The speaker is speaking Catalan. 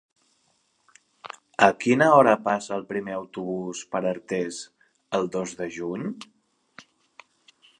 A quina hora passa el primer autobús per Artés el dos de juny?